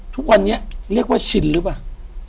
ทุกวันนี้เรียกว่าชินหรือเปล่า